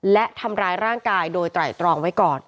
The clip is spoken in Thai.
และทำร้ายร่างกายโดยไตรตรองไว้ก่อน